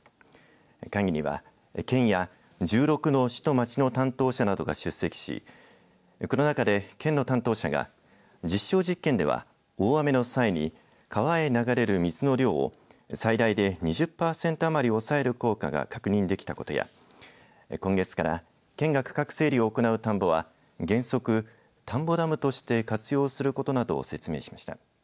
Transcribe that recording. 会議には県や１６の市と町の担当者などが出席しこの中で県の担当者が実証実験では大雨の際に川へ流れる水の量を最大で２０パーセント余り抑える効果が確認できたことや今月から区画整理を行う田んぼは原則田んぼダムとして活用することなどを説明しました。